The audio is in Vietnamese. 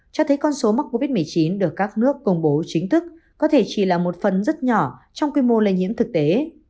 cho thấy con số mắc covid một mươi chín được các nước công bố chính thức có thể chỉ là một phần rất nhỏ trong quy mô lây nhiễm thực tế